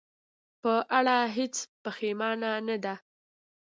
په اړه هېڅ پښېمانه نه ده.